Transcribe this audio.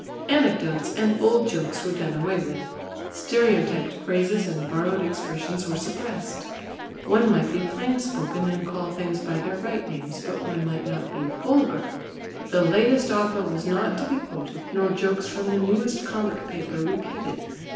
Anecdotes and old jokes were done away with; stereotyped phrases and borrowed expressions were suppressed. One might be plain spoken and call things by their right names, but one might not be vulgar; the latest opera was not to be quoted, nor jokes from the newest comic paper repeated.